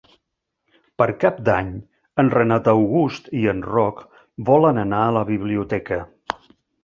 Per Cap d'Any en Renat August i en Roc volen anar a la biblioteca.